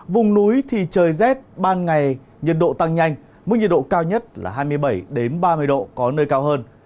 vùng núi thì trời rét ban ngày nhiệt độ tăng nhanh mức nhiệt độ cao nhất là hai mươi bảy ba mươi độ có nơi cao hơn